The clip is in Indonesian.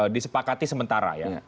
disepakati sementara ya